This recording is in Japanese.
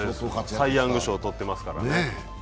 サイ・ヤング賞取ってますからね。